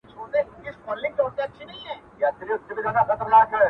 په تیارو کي سره وژنو دوست دښمن نه معلومیږي-